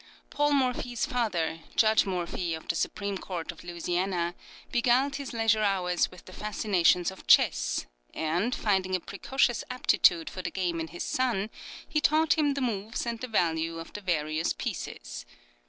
Paul Morphy's father, Judge Morphy, of the Supreme Court of Louisiana, beguiled his leisure hours with the fascinations of Chess, and, finding a precocious aptitude for the game in his son, he taught him the moves and the value of the various pieces.